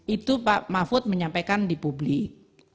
itu pak mahfud menyampaikan di publik